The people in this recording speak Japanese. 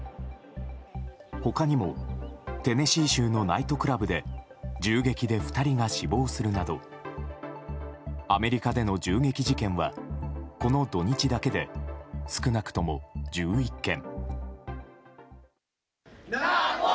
他にもテネシー州のナイトクラブで銃撃で２人が死亡するなどアメリカの銃撃事件はこの土日だけで少なくとも１１件。